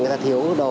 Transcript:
người ta thiếu đồ